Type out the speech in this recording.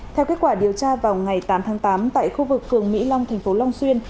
theo kết quả điều tra vào ngày tám tháng tám tại khu vực phường mỹ long tp long xuyên